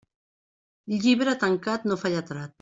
Llibre tancat no fa lletrat.